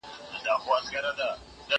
زه به د ښوونځی لپاره تياری کړی وي؟!